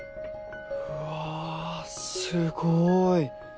うわすごい。